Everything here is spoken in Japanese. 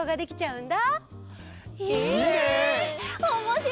うん。